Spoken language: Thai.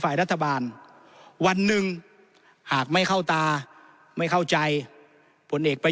ฝ่ายรัฐบาลวันหนึ่งหากไม่เข้าตาไม่เข้าใจผลเอกไป